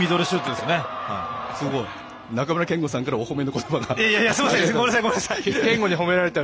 すごい！中村憲剛さんからお褒めの言葉が。